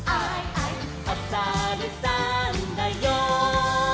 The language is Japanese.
「おさるさんだよ」